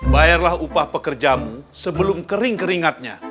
bayarlah upah pekerjamu sebelum kering keringatnya